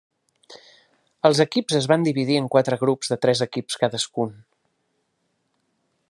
Els equips es van dividir en quatre grups de tres equips cadascun.